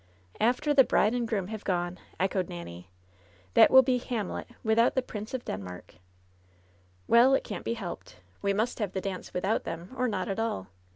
^After the bride and groom have gone !'" echoed Nanny. "That will be 'Hamlet' without the Prince of 'Denmark/* 'Well, it can't be helped. We must have the dance without them or not at all.